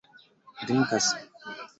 drinkas